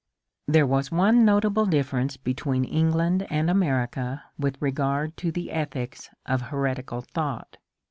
There was one notable difference between England and America with regard to the ethics of heretical thought.